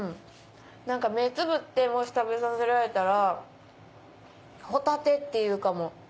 何か目つぶってもし食べさせられたらホタテって言うかも。